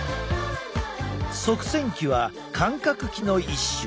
側線器は感覚器の一種。